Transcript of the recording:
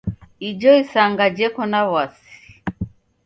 Ijo isanga jeko na w'asi.